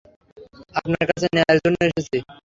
আপনার কাছে ন্যায়ের জন্য এসেছি।